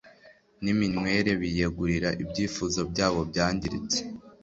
niminywere Biyegurira ibyifuzo byabo byangiritse